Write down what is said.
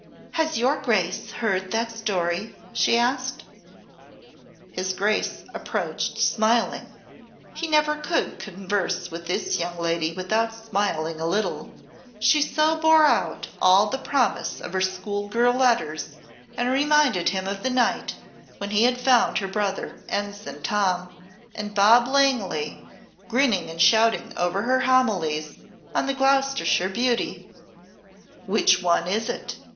"Has your Grace heard that story?" she asked. His Grace approached smiling he never could converse with this young lady without smiling a little she so bore out all the promise of her school girl letters and reminded him of the night when he had found her brother, Ensign Tom, and Bob Langley grinning and shouting over her homilies on the Gloucestershire beauty. "Which one is it?"